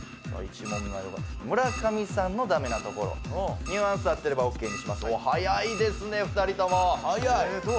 村上さんのダメなところニュアンス合ってればオーケーにします早いですね２人ともえーどう？